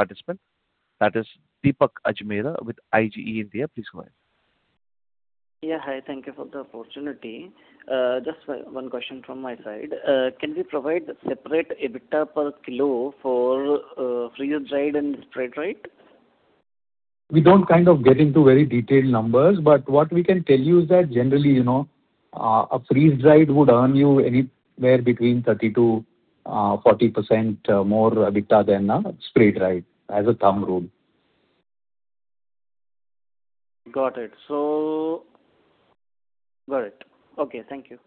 participant, that is Deepak Ajmera with IGE India. Please go ahead. Hi. Thank you for the opportunity. Just one question from my side. Can we provide separate EBITDA per kilo for freeze-dried and spray-dried? We don't kind of get into very detailed numbers, what we can tell you is that generally, a freeze-dried would earn you anywhere between 30%-40% more EBITDA than a spray-dried, as a thumb rule. Got it. Okay. Thank you.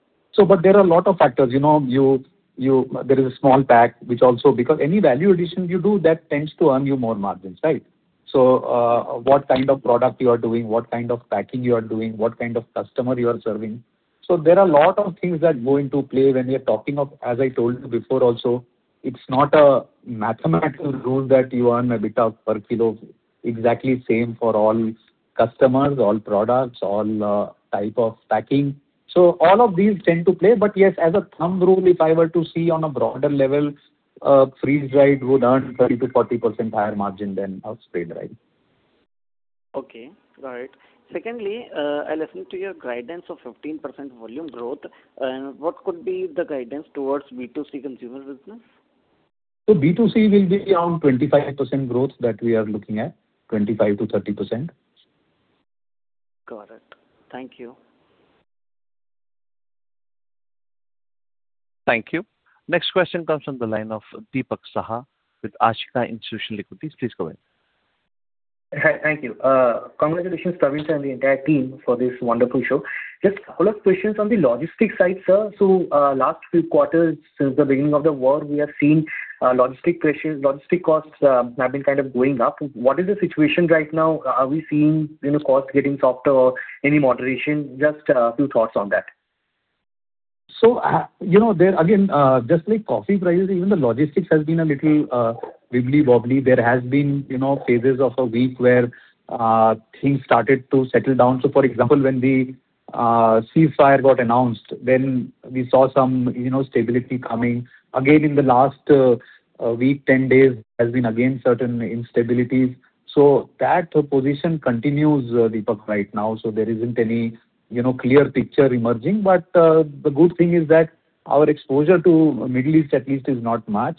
There are a lot of factors. There is a small pack, which also. Any value addition you do, that tends to earn you more margins, right? What kind of product you are doing, what kind of packing you are doing, what kind of customer you are serving. There are a lot of things that go into play when we are talking of, as I told you before also, it's not a mathematical rule that you earn EBITDA per kilo exactly the same for all customers, all products, all type of packing. All of these tend to play. Yes, as a thumb rule, if I were to see on a broader level, freeze-dried would earn 30%-40% higher margin than a spray-dried. Okay, got it. Secondly, I listened to your guidance of 15% volume growth. What could be the guidance towards B2C consumer business? B2C will be around 25% growth that we are looking at, 25%-30%. Got it. Thank you. Thank you. Next question comes from the line of Dipak Saha with Ashika Institutional Equities. Please go ahead. Hi. Thank you. Congratulations, Praveen, sir, and the entire team for this wonderful show. Just a couple of questions on the logistics side, sir. Last few quarters since the beginning of the war, we have seen logistic pressures, logistic costs have been kind of going up. What is the situation right now? Are we seeing costs getting softer or any moderation? Just a few thoughts on that. Just like coffee prices, even the logistics has been a little wibbly wobbly. There has been phases of a week where things started to settle down. For example, when the ceasefire got announced, we saw some stability coming. Again, in the last week, 10 days, there's been again certain instabilities. That position continues, Dipak, right now, so there isn't any clear picture emerging. The good thing is that our exposure to Middle East, at least, is not much.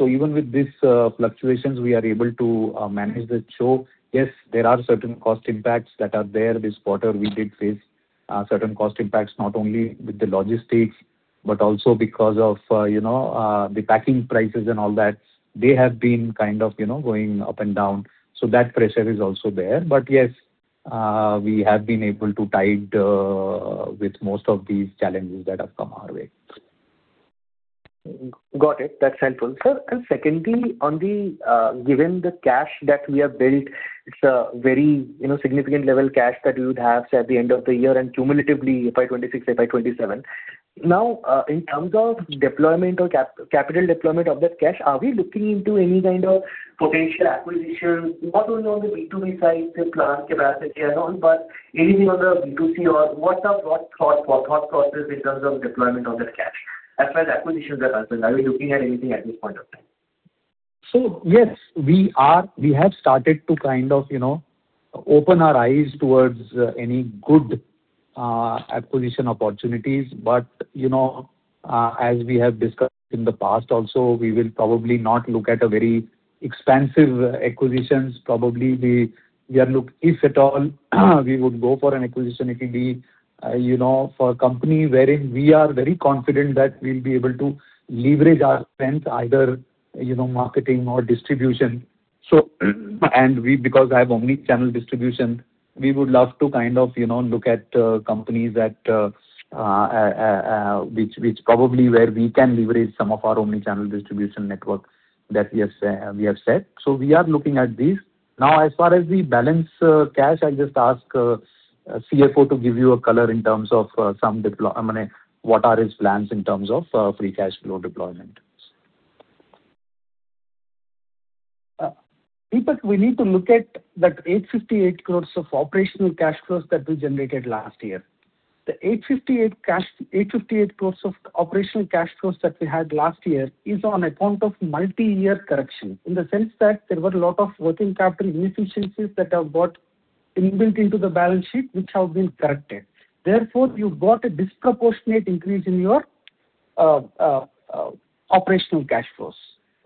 Even with these fluctuations, we are able to manage the show. There are certain cost impacts that are there. This quarter, we did face certain cost impacts, not only with the logistics, but also because of the packing prices and all that. They have been kind of going up and down. That pressure is also there. Yes, we have been able to tide with most of these challenges that have come our way. Got it. That's helpful. Sir, secondly, given the cash that we have built, it's a very significant level cash that you would have, say, at the end of the year and cumulatively FY 2026, FY 2027. In terms of capital deployment of that cash, are we looking into any kind of potential acquisition, not only on the B2B side, say, plant capacity and all, but anything on the B2C or what thought process in terms of deployment of that cash as far as acquisitions are concerned? Are we looking at anything at this point of time? Yes, we have started to kind of open our eyes towards any good acquisition opportunities. As we have discussed in the past also, we will probably not look at a very expensive acquisitions. If at all we would go for an acquisition, it will be for a company wherein we are very confident that we'll be able to leverage our strength either marketing or distribution. Because I have omnichannel distribution, we would love to kind of look at companies which probably where we can leverage some of our omnichannel distribution network that we have set. We are looking at this. Now, as far as the balance cash, I'll just ask CFO to give you a color in terms of what are his plans in terms of free cash flow deployment. Dipak, we need to look at that 858 crores of operational cash flows that we generated last year. The 858 crores of operational cash flows that we had last year is on account of multi-year correction, in the sense that there were a lot of working capital inefficiencies that have got inbuilt into the balance sheet, which have been corrected. Therefore, you got a disproportionate increase in your operational cash flows.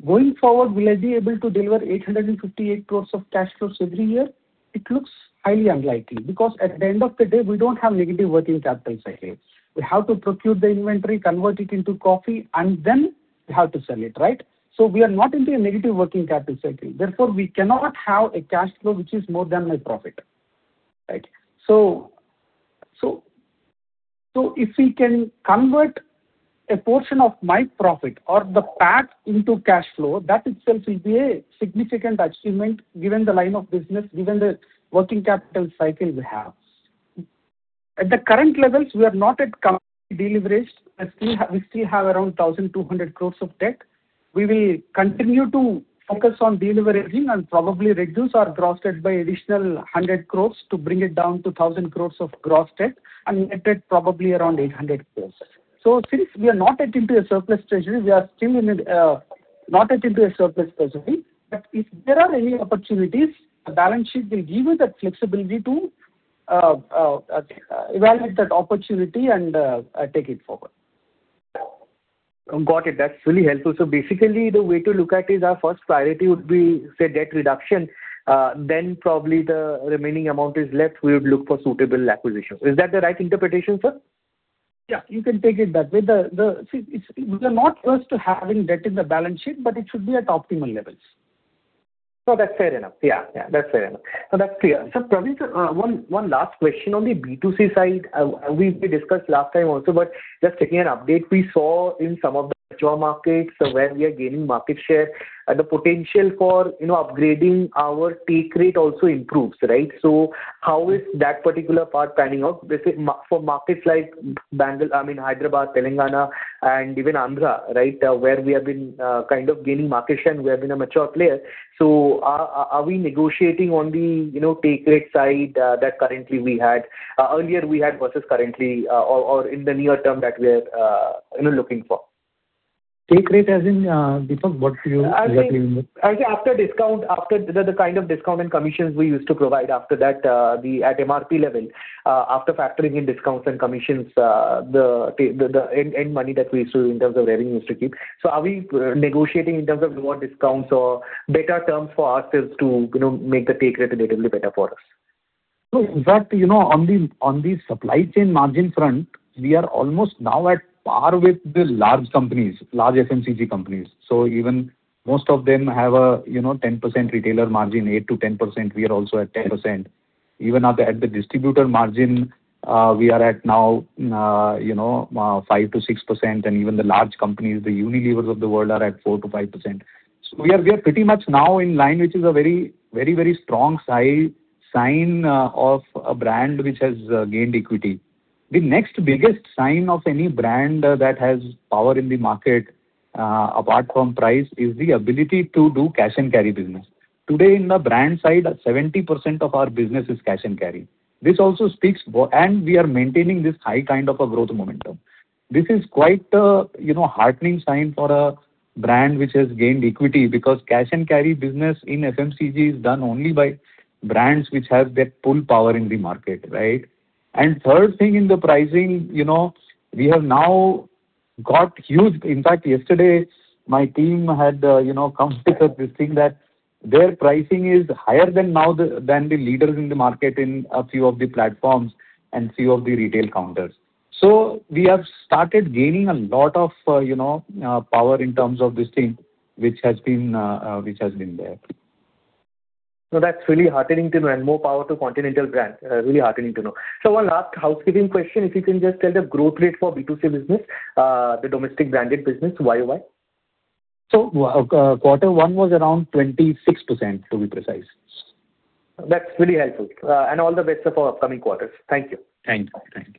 Going forward, will I be able to deliver 858 crores of cash flows every year? It looks highly unlikely because, at the end of the day, we don't have negative working capital cycles. We have to procure the inventory, convert it into coffee, and then we have to sell it, right? We are not into a negative working capital cycle. Therefore, we cannot have a cash flow which is more than my profit. Right. If we can convert a portion of my profit or the PAT into cash flow, that itself will be a significant achievement given the line of business, given the working capital cycle we have. At the current levels, we are not at company deleverage. We still have around 1,200 crores of debt. We will continue to focus on deleveraging and probably reduce our gross debt by additional 100 crores to bring it down to 1,000 crores of gross debt and net debt probably around 800 crores. Since we are not into a surplus treasury, we are still not into a surplus treasury, but if there are any opportunities, the balance sheet will give you that flexibility to evaluate that opportunity and take it forward. Got it. That's really helpful. Basically, the way to look at is our first priority would be, say, debt reduction, then probably the remaining amount is left, we would look for suitable acquisition. Is that the right interpretation, sir? You can take it that way. We are not averse to having debt in the balance sheet, but it should be at optimal levels. That's fair enough. That's fair enough. That's clear. Sir, probably one last question on the B2C side. We discussed last time also, but just checking an update we saw in some of the mature markets where we are gaining market share. The potential for upgrading our take rate also improves, right? How is that particular part panning out, basically for markets like Hyderabad, Telangana, and even Andhra, right, where we have been kind of gaining market share and we have been a mature player. Are we negotiating on the take rate side that earlier we had versus currently, or in the near term that we're looking for? Take rate as in, Dipak, what you exactly mean? Actually, after the kind of discount and commissions we used to provide after that at MRP level, after factoring in discounts and commissions, the end money that we used to in terms of revenues to keep. Are we negotiating in terms of lower discounts or better terms for ourselves to make the take rate relatively better for us? No, in fact, on the supply chain margin front, we are almost now at par with the large companies, large FMCG companies. Even most of them have a 10% retailer margin, 8%-10%, we are also at 10%. Even at the distributor margin, we are at now 5%-6%, and even the large companies, the Unilever of the world are at 4%-5%. We are pretty much now in line, which is a very strong sign of a brand which has gained equity. The next biggest sign of any brand that has power in the market, apart from price, is the ability to do cash and carry business. Today, in the brand side, 70% of our business is cash and carry. This also speaks. We are maintaining this high kind of a growth momentum. This is quite a heartening sign for a brand which has gained equity because cash and carry business in FMCG is done only by brands which have that pull power in the market, right? In fact, yesterday my team had come to discuss this thing that their pricing is higher than the leaders in the market in a few of the platforms and few of the retail counters. We have started gaining a lot of power in terms of this thing which has been there. That's really heartening to know, and more power to Continental brand. Really heartening to know. One last housekeeping question, if you can just tell the growth rate for B2C business, the domestic branded business YoY. Quarter one was around 26%, to be precise. That's really helpful. All the best for upcoming quarters. Thank you. Thank you.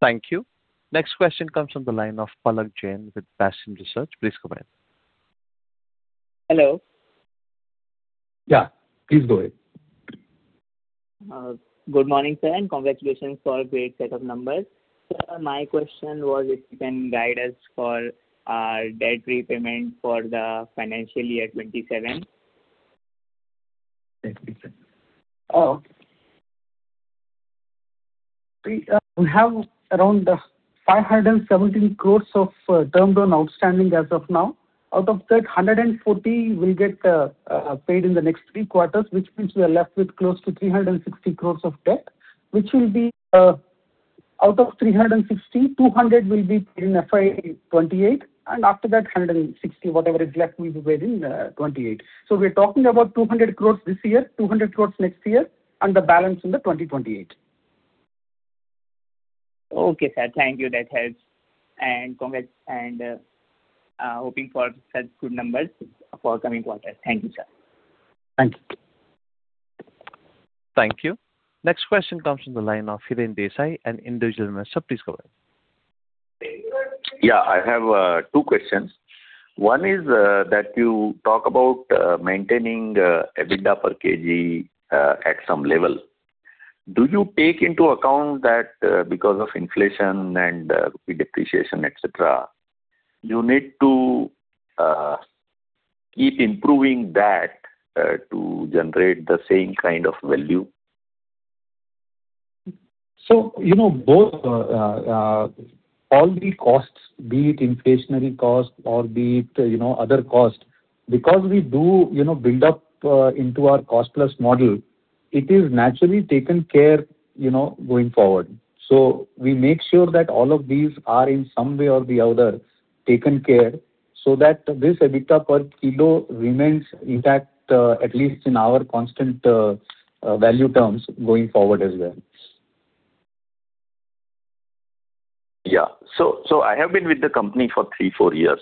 Thank you. Next question comes from the line of Palak Jain with Passion Research. Please go ahead. Hello. Yeah. Please go ahead. Good morning, sir, congratulations for a great set of numbers. Sir, my question was if you can guide us for our debt repayment for the financial year 2027. We have around 517 crores of term loan outstanding as of now. Out of that, 140 crores will get paid in the next three quarters, which means we are left with close to 360 crores of debt, out of 360 crores, 200 crores will be paid in FY 2028. After that, 160 crores, whatever is left, will be paid in 2028. We're talking about 200 crores this year, 200 crores next year, and the balance in the 2028. Okay, sir. Thank you. That helps. Hoping for such good numbers for coming quarters. Thank you, sir. Thank you. Thank you. Next question comes from the line of Hiren Desai, an Individual Investor. Yeah, I have two questions. One is that you talk about maintaining EBITDA per kg at some level. Do you take into account that because of inflation and rupee depreciation, et cetera, you need to keep improving that to generate the same kind of value? All the costs, be it inflationary cost or be it other cost, because we do build up into our cost-plus model, it is naturally taken care going forward. We make sure that all of these are in some way or the other taken care, so that this EBITDA per kilo remains intact, at least in our constant value terms going forward as well. Yeah. I have been with the company for three, four years.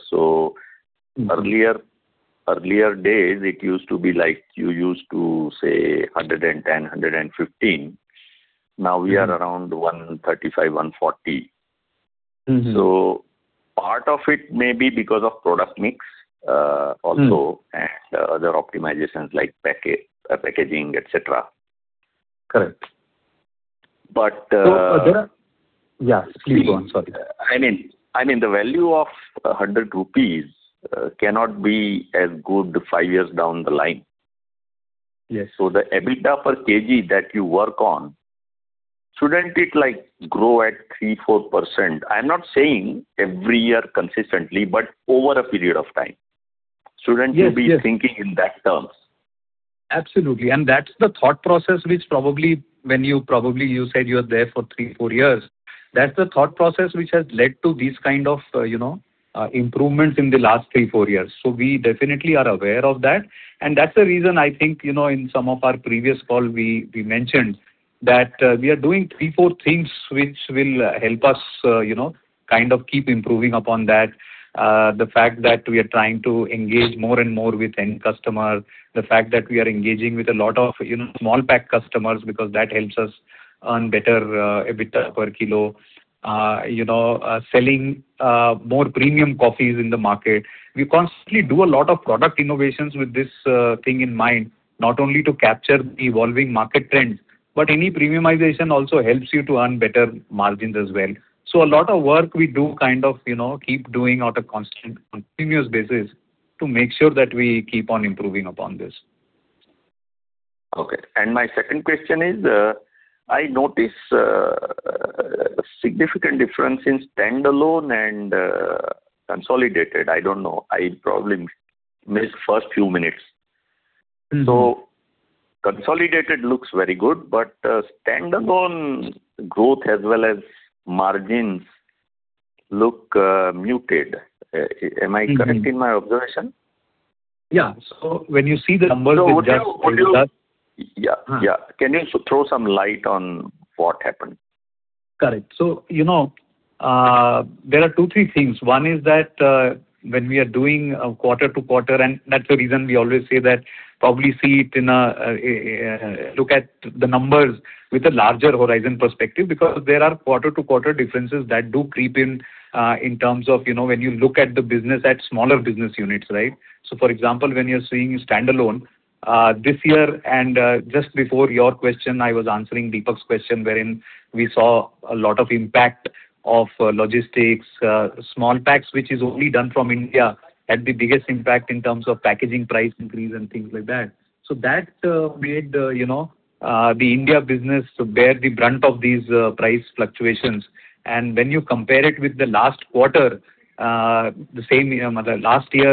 Earlier days, it used to be like you used to say 110, 115. Now we are around 135, 140. Part of it may be because of product mix? Also other optimizations like packaging, et cetera. Correct. But- Other Yeah, please go on. Sorry. I mean, the value of 100 rupees cannot be as good five years down the line. Yes. The EBITDA per kg that you work on, shouldn't it grow at 3%-4%? I'm not saying every year consistently, but over a period of time. Shouldn't— Yes You be thinking in that terms? Absolutely. That's the thought process which probably, when you said you're there for three, four years, that's the thought process which has led to these kind of improvements in the last three, four years. We definitely are aware of that, and that's the reason I think, in some of our previous call, we mentioned that we are doing three, four things which will help us kind of keep improving upon that. The fact that we are trying to engage more and more with end customer, the fact that we are engaging with a lot of small pack customers because that helps us earn better EBITDA per kilo. Selling more premium coffees in the market. We constantly do a lot of product innovations with this thing in mind, not only to capture the evolving market trends, but any premiumization also helps you to earn better margins as well. A lot of work we do kind of keep doing on a constant, continuous basis to make sure that we keep on improving upon this. Okay. My second question is, I notice a significant difference in standalone and consolidated. I don't know. I probably missed first few minutes. Consolidated looks very good, but standalone growth as well as margins look muted. Am I correct in my observation? Yeah. When you see the numbers with just standalone— Yeah. Can you throw some light on what happened? Correct. There are two, three things. One is that when we are doing quarter-to-quarter, and that's the reason we always say that probably look at the numbers with a larger horizon perspective, because there are quarter-to-quarter differences that do creep in terms of when you look at the business at smaller business units, right? For example, when you're seeing standalone, this year and just before your question, I was answering Dipak's question, wherein we saw a lot of impact of logistics. Small packs, which is only done from India, had the biggest impact in terms of packaging price increase and things like that. That made the India business bear the brunt of these price fluctuations. When you compare it with the last year,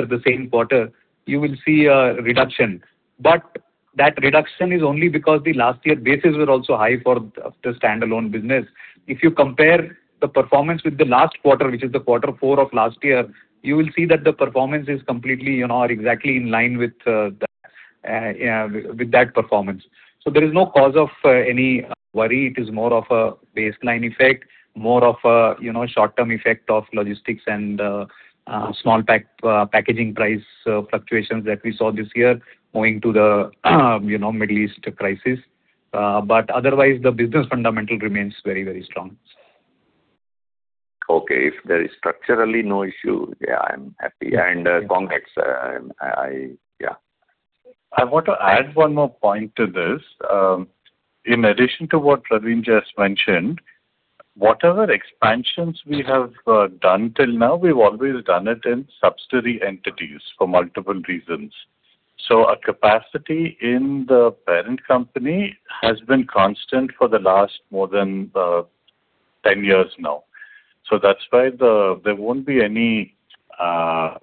the same quarter, you will see a reduction. That reduction is only because the last year bases were also high for the standalone business. If you compare the performance with the last quarter, which is the quarter four of last year, you will see that the performance is completely or exactly in line with that performance. There is no cause of any worry. It is more of a baseline effect, more of a short-term effect of logistics and small pack packaging price fluctuations that we saw this year owing to the Middle East crisis. Otherwise, the business fundamental remains very strong. Okay. If there is structurally no issue, yeah, I'm happy. Congrats. Yeah. I want to add one more point to this. In addition to what Praveen just mentioned, whatever expansions we have done till now, we've always done it in subsidiary entities for multiple reasons. Our capacity in the parent company has been constant for the last more than 10 years now. That's why there won't be any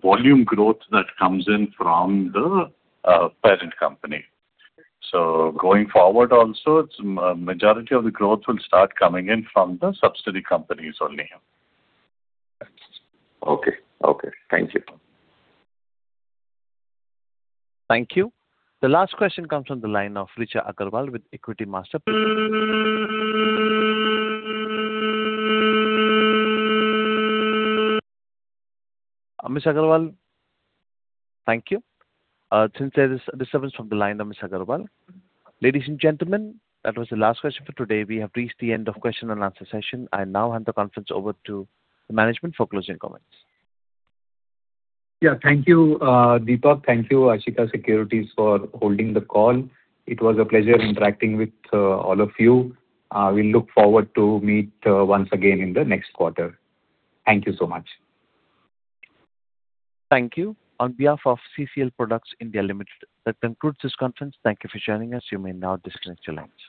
volume growth that comes in from the parent company. Going forward also, majority of the growth will start coming in from the subsidiary companies only. Okay. Thank you. Thank you. The last question comes from the line of Richa Agarwal with Equitymaster. Ms. Agarwal? Thank you. Since there's disturbance from the line of Ms. Agarwal. Ladies and gentlemen, that was the last question for today. We have reached the end of question-and-answer session. I now hand the conference over to management for closing comments. Yeah. Thank you, Dipak. Thank you, Ashika Securities for holding the call. It was a pleasure interacting with all of you. We look forward to meet once again in the next quarter. Thank you so much. Thank you. On behalf of CCL Products Limited, that concludes this conference. Thank you for joining us. You may now disconnect your lines.